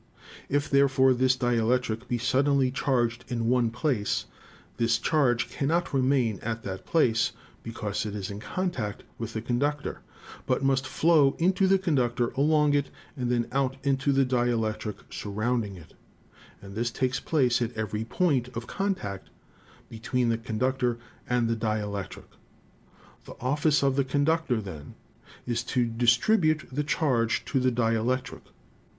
If, therefore, this dielectric be suddenly charged in one place this charge cannot remain at that place because it is in contact with the conductor, but must flow into the conduc tor, along it, and then out into the dielectric surrounding it, and this takes places at every point of contact between the conductor and the dielectric. The office of the conduc tor, then, is to distribute the charge to the dielectric.